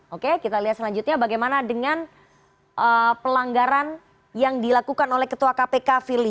oke kita lihat selanjutnya bagaimana dengan pelanggaran yang dilakukan oleh ketua kpk firly